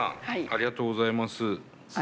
ありがとうございます。